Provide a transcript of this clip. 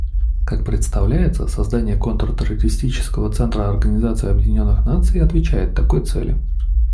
Как представляется, создание Контртеррористического центра Организации Объединенных Наций отвечает такой цели.